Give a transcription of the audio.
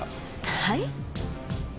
はい？